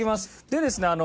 でですね